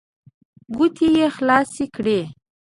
ګوتې يې خلاصې کړې.